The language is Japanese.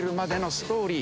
ストーリー。